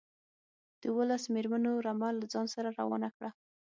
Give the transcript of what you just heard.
د اوولس مېرمنو رمه له ځان سره روانه کړه.